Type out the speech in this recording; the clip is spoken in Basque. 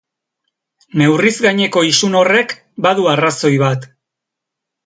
Neurriz gaineko isun horrek badu arrazoi bat.